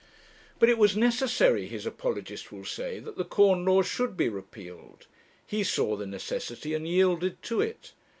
But it was necessary, his apologist will say, that the corn laws should be repealed; he saw the necessity, and yielded to it.